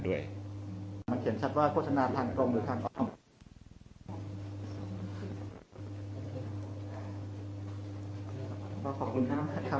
ก็คือหลักก็เป็นช่อโครงพี่นะครับ